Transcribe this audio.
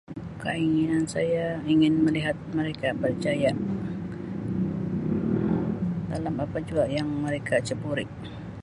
Keinginan saya ingin melihat mereka berjaya dalam apa jua yang mereka ceburi.